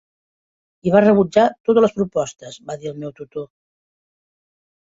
"I va rebutjar totes les propostes", va dir el meu tutor.